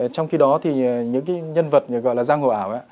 trong khi đó thì những cái nhân vật gọi là giang hồ ảo